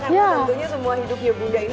karena tentunya semua hidupnya bunda ini menarik